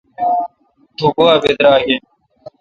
تو گوا براگ این